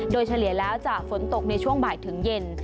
โดยเฉลี่ยแล้วจะฝนตกในช่วงบ่ายถึงเย็น